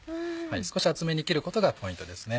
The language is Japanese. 少し厚めに切ることがポイントですね。